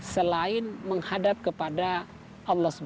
selain menghadap kepada allah swt